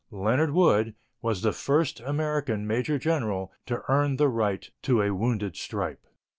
Leonard Wood was the first American major general to earn the right to a wounded stripe.